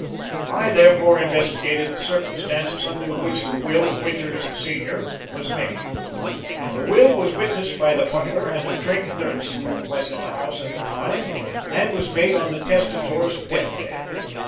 I therefore investigated the circumstances under which the will of Winters, Sr., was made. The will was witnessed by the butler and a trained nurse who was in the house at the time, and was made on the testator's death bed.